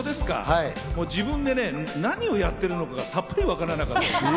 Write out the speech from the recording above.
自分で何をやってるのかがさっぱりわからなかった。